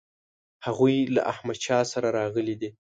هغوی له احمدشاه سره راغلي دي.